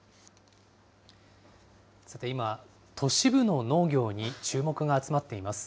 さて、今、都市部の農業に注目が集まっています。